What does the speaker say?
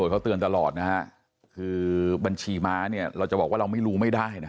เราจะบอกว่าเราไม่รู้ไม่ได้นะ